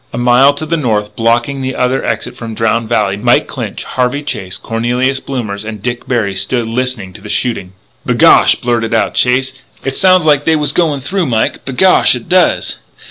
A mile to the north, blocking the other exit from Drowned Valley, Mike Clinch, Harvey Chase, Cornelius Blommers, and Dick Berry stood listening to the shooting. "B'gosh," blurted out Chase, "it sounds like they was goin' through, Mike. B'gosh, it does!"